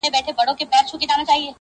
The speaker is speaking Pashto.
• مخ به در واړوم خو نه پوهېږم.